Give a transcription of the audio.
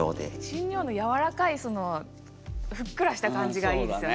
しんにょうのやわらかいそのふっくらした感じがいいですよね。